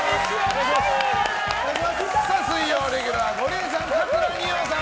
水曜レギュラーゴリエさん、桂二葉さん！